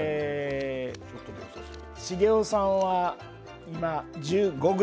茂雄さんは今１５ｇ。